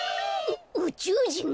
ううちゅうじん？